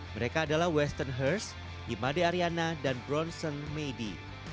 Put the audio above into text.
mereka adalah western hurst imade ariana dan bronson meidy